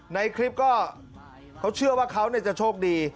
ในคลิปก็เขาเชื่อว่าเขาจะโชคดี